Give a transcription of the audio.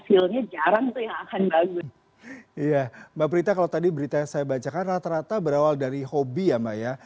mbak prita kalau tadi berita yang saya bacakan rata rata berawal dari hobi ya mbak ya